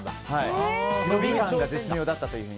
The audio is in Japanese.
伸び感が絶妙だったと。